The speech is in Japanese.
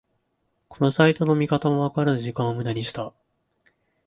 このサイトの見方がわからず時間をムダにした